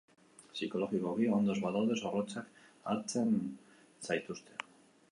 Psikologikoki ondo ez bazaude zorotzat hartzen zaituzte